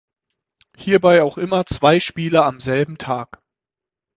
Hierbei auch immer zwei Spiele am selben Tag.